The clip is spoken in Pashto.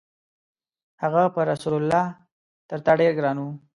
هغه پر رسول الله تر تا ډېر ګران و.